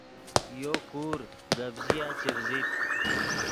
یو کور گپ ژیا چڤزیت